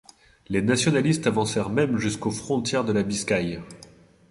Les nationalistes avancèrent même jusqu'aux frontières de la Biscaye.